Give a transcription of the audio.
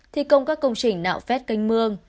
thi công các công trình nạo phét canh mương